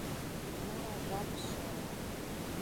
Marajá do Sena